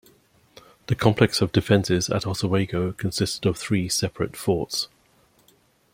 The complex of defenses at Oswego consisted of three separate forts.